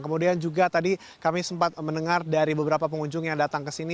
kemudian juga tadi kami sempat mendengar dari beberapa pengunjung yang datang ke sini